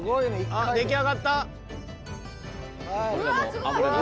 あっ出来上がった？